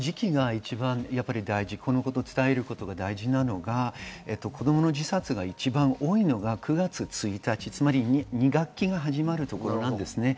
このことを伝えるのが大事なのが、子供の自殺が一番多いのが９月１日、つまり２学期が始まるところなんですね。